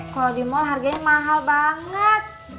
kalo di mall harganya mahal banget